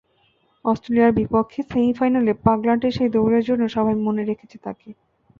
অস্ট্রেলিয়ার বিপক্ষের সেমিফাইনালে পাগলাটে সেই দৌড়ের জন্যও সবাই মনে রেখেছে তাঁকে।